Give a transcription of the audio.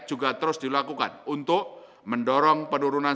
juga terus dilakukan untuk mendorong penurunan